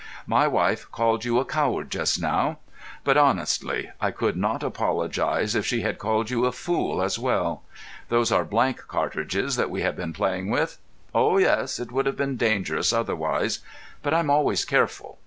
"My wife called you a coward just now; but, honestly, I could not apologise if she had called you a fool as well. Those are blank cartridges that we have been playing with. Oh, yes, it would have been dangerous otherwise. But I'm always careful.